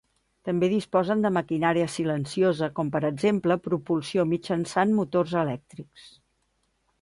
També disposen de maquinària silenciosa, com per exemple propulsió mitjançant motors elèctrics.